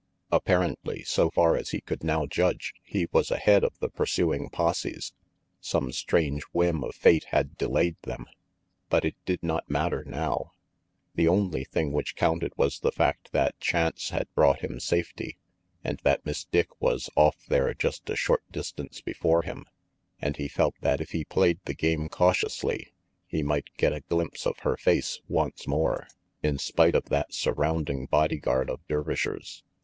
Apparently, so far as he could now judge, he was ahead of the pursuing posses. Some strange whim of fate had delayed them. But it did not matter now. 326 RANGY PETE The only thing which counted was the fact that chance had brought him safety, and that Miss Dick was off there just a short distance before him; and he felt that if he played the game cautiously, he might get a glimpse of her face once more, in spite of that surrounding bodyguard of Dervishers.